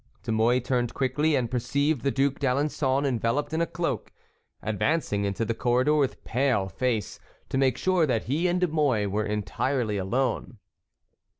De Mouy turned quickly and perceived the Duc d'Alençon enveloped in a cloak, advancing into the corridor with pale face, to make sure that he and De Mouy were entirely alone.